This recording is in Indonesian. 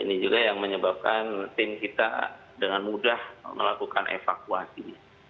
ini juga yang menyebabkan tim kita dengan mudah melakukan evakuasi